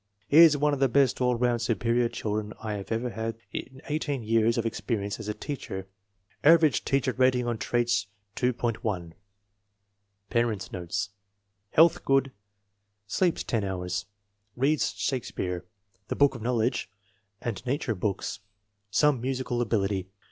"He is one of the best all round superior children I have ever had in eighteen years of experience as a teacher." Average teacher rating on traits, 2.10. Parents' notes. Health good; sleeps ten hours. 216 INTELLIGENCE OF SCHOOL CHILDREN Beads Shakespeare, the Book of Knowledge, and na ture books. Some musical ability.